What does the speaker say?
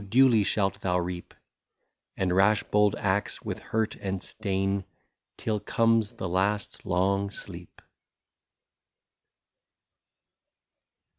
duly shalt thou reap, — And rash bold acts with hurt and stain. Till comes the last long sleep."